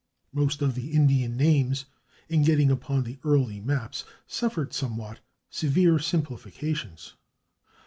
Most of these Indian names, in getting upon the early maps, suffered somewhat severe simplifications.